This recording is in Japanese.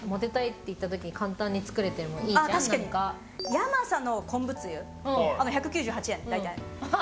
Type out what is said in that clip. ヤマサの昆布つゆ１９８円の、大体。